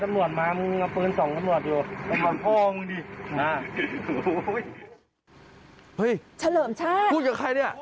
เฉลิมชาติพูดกับใครเนี่ย